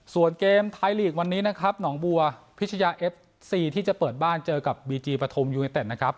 ส่วนเกมไทยลีกวันนี้นะครับหนองบัวพิชยาเอฟซีที่จะเปิดบ้านเจอกับบีจีปฐมยูเนเต็ดนะครับ